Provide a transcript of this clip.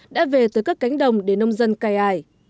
đã về tới các cánh đồng để nông dân cài ải